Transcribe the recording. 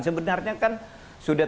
sebenarnya kan sudah